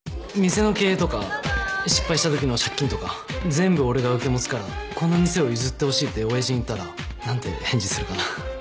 店の経営とか失敗したときの借金とか全部俺が受け持つからこの店を譲ってほしいっておやじに言ったら何て返事するかな？